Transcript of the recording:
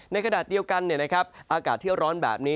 ในขณะเดียวกันอากาศเที่ยวร้อนแบบนี้